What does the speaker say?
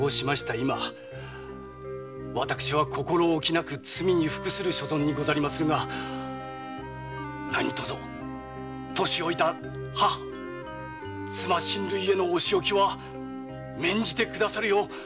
今私は心おきなく罪に服する所存にござりまするが何とぞ年老いた母妻親類へのお仕置きは免じて下さるよう切にお願い致しまする。